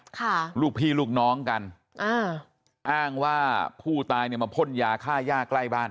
ค่ะลูกพี่ลูกน้องกันอ่าอ้างว่าผู้ตายเนี่ยมาพ่นยาฆ่าย่าใกล้บ้าน